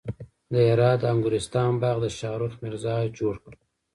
د هرات د انګورستان باغ د شاهرخ میرزا جوړ کړ